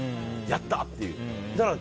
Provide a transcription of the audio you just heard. やった！っていう。